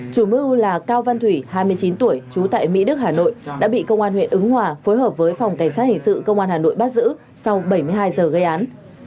chủ mưu là cao văn thủy hai mươi chín tuổi trú tại mỹ đức hà nội đã bị công an huyện ứng hòa phối hợp với phòng cảnh sát hình sự công an hà nội bắt giữ sau bảy mươi hai giờ gây án